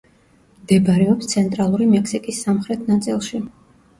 მდებარეობს ცენტრალური მექსიკის სამხრეთ ნაწილში.